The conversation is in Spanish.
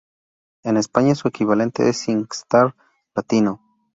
En España su equivalente es SingStar Latino.